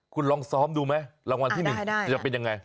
คุณลองซ้อมดูไหมรางวัลที่๑จะเป็นยังไง